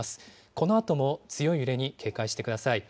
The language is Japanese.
このあとも強い揺れに警戒してください。